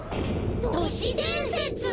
都市伝説！？